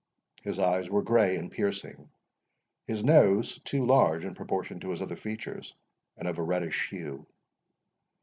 His eyes were grey and piercing; his nose too large in proportion to his other features, and of a reddish hue.